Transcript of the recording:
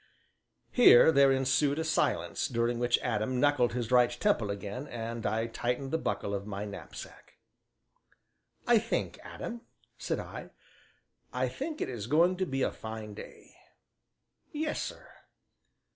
Here there ensued a silence during which Adam knuckled his right temple again and I tightened the buckle of my knapsack. "I think, Adam," said I, "I think it is going to be a fine day." "Yes, sir."